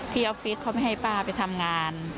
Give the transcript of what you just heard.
ออฟฟิศเขาไม่ให้ป้าไปทำงาน